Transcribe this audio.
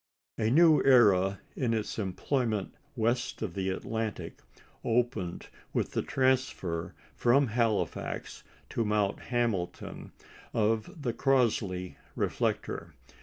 A new era in its employment west of the Atlantic opened with the transfer from Halifax to Mount Hamilton of the Crossley reflector.